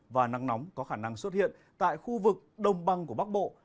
và nắng nóng có khả năng xuất hiện tại khu vực đồng băng của bắc bộ